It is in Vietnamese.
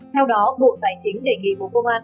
theo đó bộ tài chính đề nghị bộ công an